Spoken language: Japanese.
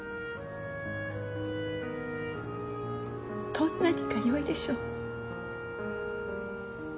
どんなにか良いでしょう。